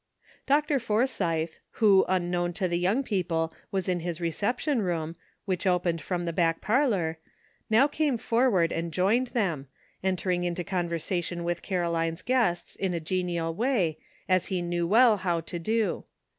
Dr. Forsythe, who unknown to the young people was in his reception room, which opened from the back parlor, now came forward and joined them, entering into conversation with Caroline's guests in a genial way, as he knew well how to do.